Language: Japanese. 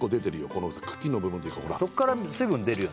この茎の部分というかほらそこから水分出るよね